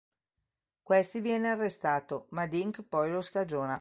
Questi viene arrestato ma Dink poi lo scagiona.